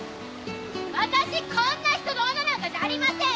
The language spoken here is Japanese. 私こんな人の女なんかじゃありません！